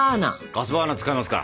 ガスバーナー使いますか。